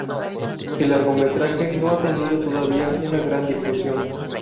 El largometraje no ha tenido todavía una gran difusión.